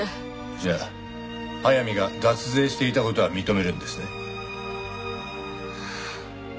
じゃあ速水が脱税していた事は認めるんですね？